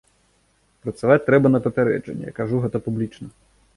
Працаваць трэба на папярэджанне, я кажу гэта публічна.